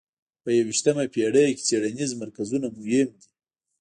په یویشتمه پېړۍ کې څېړنیز مرکزونه مهم دي.